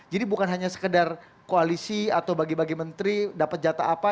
bukan hanya sekedar koalisi atau bagi bagi menteri dapat jatah apa